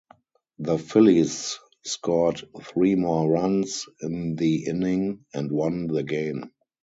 The Phillies scored three more runs in the inning and won the game.